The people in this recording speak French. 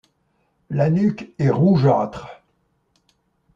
La nuque est rougeâtre.